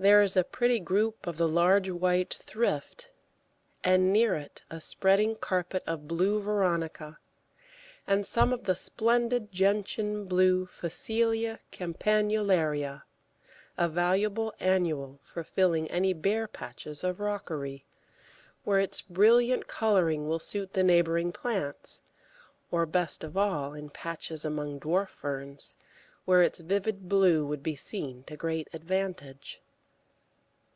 There is a pretty group of the large white Thrift, and near it a spreading carpet of blue Veronica and some of the splendid gentian blue Phacelia campanularia, a valuable annual for filling any bare patches of rockery where its brilliant colouring will suit the neighbouring plants, or, best of all, in patches among dwarf ferns, where its vivid blue would be seen to great advantage.